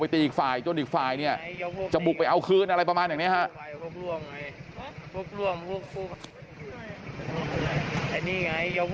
ตีอีกฝ่ายจนอีกฝ่ายเนี่ยจะบุกไปเอาคืนอะไรประมาณอย่างนี้ฮะ